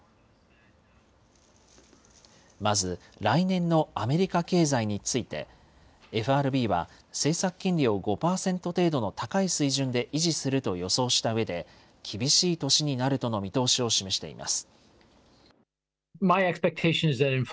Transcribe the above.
まず、来年のアメリカ経済について、ＦＲＢは政策金利を５％程度の高い水準で維持すると予想したうえで、厳しい年になるとの見通しを示しています。